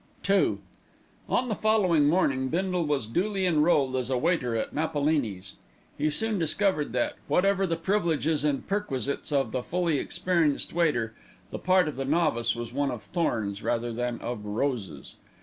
II On the following morning Bindle was duly enrolled as a waiter at Napolini's. He soon discovered that, whatever the privileges and perquisites of the fully experienced waiter, the part of the novice was one of thorns rather than of roses.